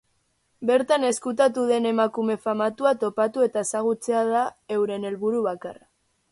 Bertan ezkutatu den emakume famatua topatu eta ezagutzea da euren helburu bakarra.